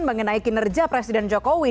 mengenai kinerja presiden jokowi